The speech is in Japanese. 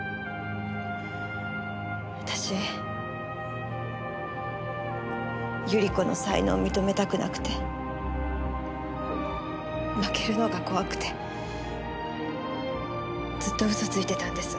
私百合子の才能を認めたくなくて負けるのが怖くてずっと嘘ついてたんです。